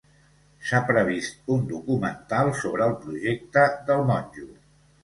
S'ha previst un documental sobre el projecte del monjo.